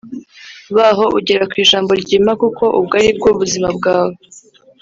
Baho ugera ku ijambo ryima kuko ubwo ari bwo buzima bwawe